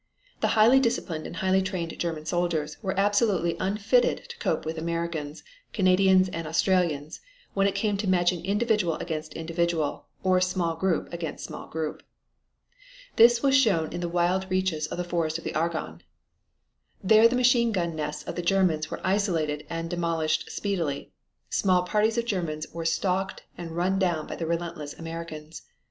The highly disciplined and highly trained German soldiers were absolutely unfitted to cope with Americans, Canadians and Australians when it came to matching individual against individual, or small group against small group. This was shown in the wild reaches of the Forest of the Argonne. There the machine gun nests of the Germans were isolated and demolished speedily. Small parties of Germans were stalked and run down by the relentless Americans.